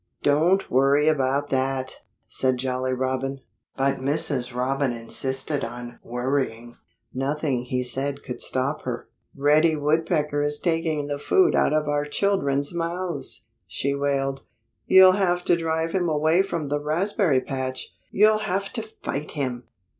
"Don't worry about that!" said Jolly Robin. But Mrs. Robin insisted on worrying; nothing he said could stop her. "Reddy Woodpecker is taking the food out of our children's mouths!" she wailed. "You'll have to drive him away from the raspberry patch! You'll have to fight him!"